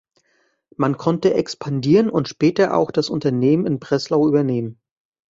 Man konnte expandieren und später auch das Unternehmen in Breslau übernehmen.